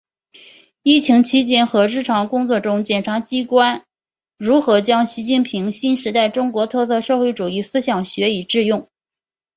疫情期间和日常工作中检察机关如何将习近平新时代中国特色社会主义思想学以致用